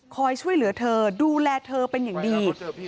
คอยช่วยเหลือเธอดูแลเธอเป็นอย่างดี